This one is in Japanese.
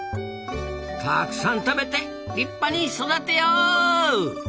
たくさん食べて立派に育てよ！